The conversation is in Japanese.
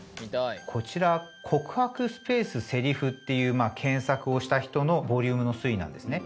こちら「告白スペースセリフ」っていう検索をした人のボリュームの推移なんですね。